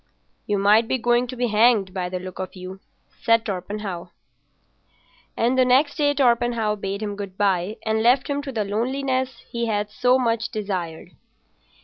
"You might be going to be hanged by the look of you," said Torpenhow. And the next day Torpenhow bade him good bye and left him to the loneliness he had so much desired.